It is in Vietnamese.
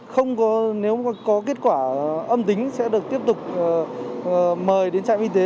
không nếu có kết quả âm tính sẽ được tiếp tục mời đến trạm y tế